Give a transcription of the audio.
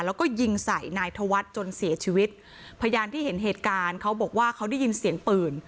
แล้วก็ยิงใส่นายธวัฒน์จนเสียชีวิตพยานที่เห็นเหตุการณ์เขาบอกว่าเขาได้ยินเสียงปืน